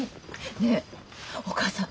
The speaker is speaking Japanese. ねえお母さん